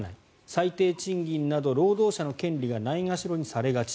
最低賃金など労働者の権利がないがしろにされがち。